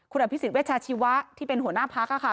คุณอาพิสิทธิ์เวชาชีวะที่เป็นหัวหน้าภักร์ค่ะ